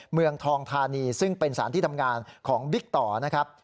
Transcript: เมืองทองธานีซึ่งเป็นสารที่ทำงานของบิ๊กต่อนะครับ